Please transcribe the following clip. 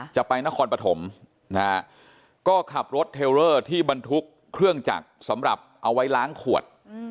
จะไปนครปฐมนะฮะก็ขับรถเทลเลอร์ที่บรรทุกเครื่องจักรสำหรับเอาไว้ล้างขวด